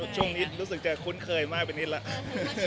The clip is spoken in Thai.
ช่วงนี้รู้สึกจะคุ้นเคยมากไปนิดแล้ว